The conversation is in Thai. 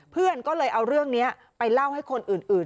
เพื่อนก็เลยเอาเรื่องนี้ไปเล่าให้คนอื่น